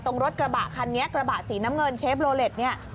ตรงรถกระบะคันนี้กระบะสีน้ำเงินเชฟโลเล็ตเนี่ย